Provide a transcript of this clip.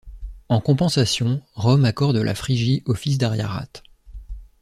En compensation, Rome accorde la Phrygie aux fils d'Ariarathe.